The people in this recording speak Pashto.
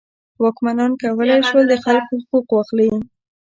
واکمنان کولی شول د خلکو حقوق واخلي.